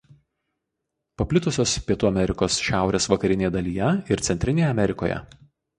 Paplitusios Pietų Amerikos šiaurės vakarinėje dalyje ir Centrinėje Amerikoje.